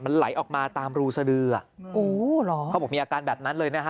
มันไหลออกมาตามรูเสดือเขาบอกมีอาการแบบนั้นเลยนะฮะ